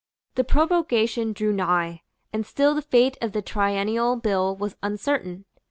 The prorogation drew nigh; and still the fate of the Triennial Bill was uncertain.